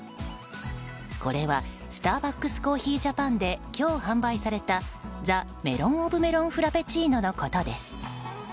これはスターバックスコーヒージャパンで今日販売されたＴｈｅメロンｏｆメロンフラペチーノのことです。